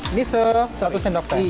ini satu sendok teh